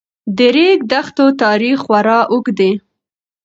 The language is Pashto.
د ریګ دښتو تاریخ خورا اوږد دی.